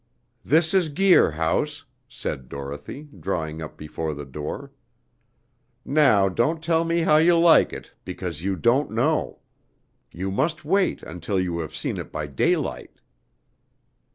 "This is Guir House," said Dorothy, drawing up before the door. "Now don't tell me how you like it, because you don't know. You must wait until you have seen it by daylight."